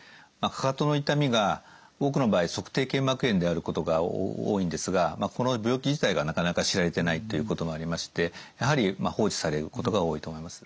かかとの痛みが多くの場合足底腱膜炎であることが多いんですがこの病気自体がなかなか知られてないっていうこともありましてやはり放置されることが多いと思います。